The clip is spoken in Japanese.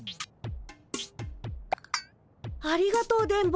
ありがとう電ボ。